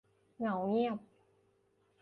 เหงาเงียบ